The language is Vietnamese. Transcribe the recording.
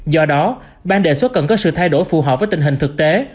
do đó bang đề xuất cần có sự thay đổi phù hợp với tình hình thực tế